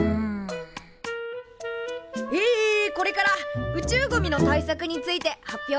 えこれから宇宙ゴミの対策について発表します。